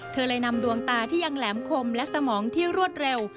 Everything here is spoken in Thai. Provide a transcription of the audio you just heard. เธอเลยนำดวงตาที่ยังแหลมคมและสมองที่รวดเร็ว